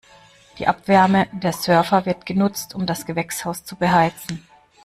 Die Abwärme der Server wird genutzt, um das Gewächshaus zu beheizen.